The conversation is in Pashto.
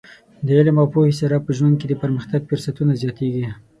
د علم او پوهې سره په ژوند کې د پرمختګ فرصتونه زیاتېږي.